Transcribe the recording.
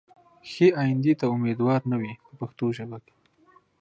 ښې ایندې ته امیدوار نه وي په پښتو ژبه.